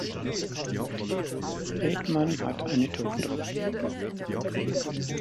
Redmann hat eine Tochter.